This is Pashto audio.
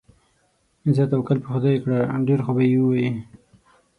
ځه توکل په خدای کړه، ډېر خوبه یې ووایې.